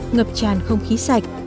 ngập tràn không khí sạch